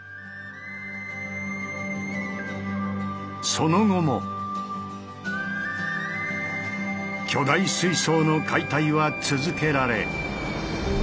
その後も巨大水槽の解体は続けられ。